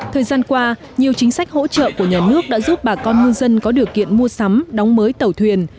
thời gian qua nhiều chính sách hỗ trợ của nhà nước đã giúp bà con ngư dân có điều kiện mua sắm đóng mới tàu thuyền